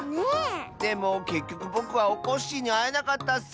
でもけっきょくぼくはおこっしぃにあえなかったッス！